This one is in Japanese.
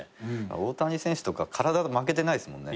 大谷選手とか体負けてないですもんね。